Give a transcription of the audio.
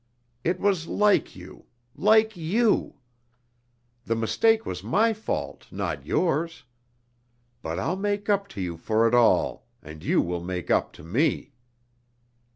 It was like you like you! The mistake was my fault, not yours. But I'll make up to you for it all, and you will make up to me.